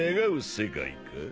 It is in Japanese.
世界か？